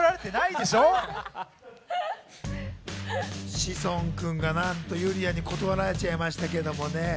志尊君がなんと、ゆりやんに断られちゃいましたけどね。